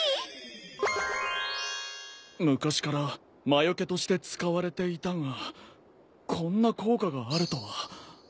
昔から魔よけとして使われていたがこんな効果があるとは！